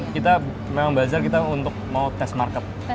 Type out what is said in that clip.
kita memang bazar kita untuk mau test market